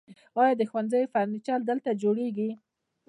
آیا د ښوونځیو فرنیچر دلته جوړیږي؟